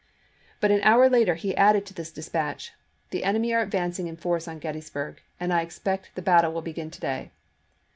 But an hour later he added to this dispatch :" The enemy are advancing in force on Gettysburg, and I expect the battle will begin to day."